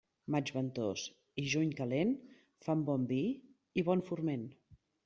Maig ventós i juny calent fan bon vi i bon forment.